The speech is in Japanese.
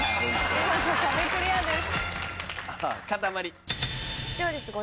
見事壁クリアです。